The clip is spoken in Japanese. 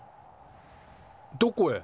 どこへ？